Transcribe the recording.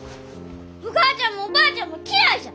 お母ちゃんもおばあちゃんも嫌いじゃ！